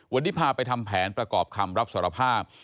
วันนี้พาไปทำแผนประกอบคำรับสารภาพ